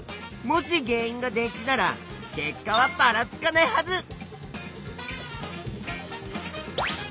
もし原いんが電池なら結果はばらつかないはず！